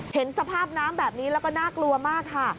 เห็นสภาพน้ำแบบนี้แล้วก็น่ากลัวมากค่ะ